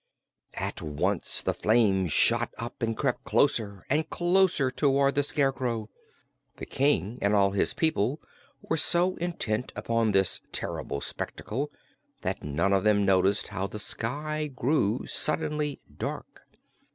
At once the flames shot up and crept closer and closer toward the Scarecrow. The King and all his people were so intent upon this terrible spectacle that none of them noticed how the sky grew suddenly dark.